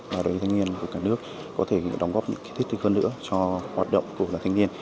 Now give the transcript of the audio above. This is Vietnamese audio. mà đối với thanh niên của cả nước có thể đóng góp những cái thiết thực hơn nữa cho hoạt động của các thanh niên